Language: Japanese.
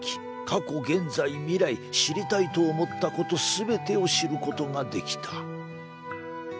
過去現在未来知りたいと思ったこと全てを知ることができた」。